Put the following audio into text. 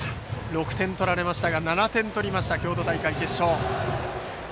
６点取られましたが７点取りました、京都大会決勝。